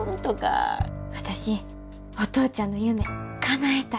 私お父ちゃんの夢かなえたい。